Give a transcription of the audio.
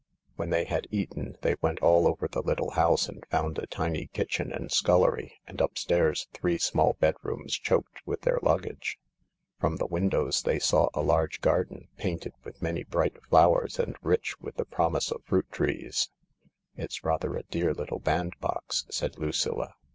When they had eaten, they went all over the little house and found a tiny kitchen and scullery, and upstairs three small bedrooms choked with their luggage. From the windows they saw a large garden, painted with many bright flowers and rich with the promise of fruit trees. " It's rather a dear little bandbox," said Lucilla.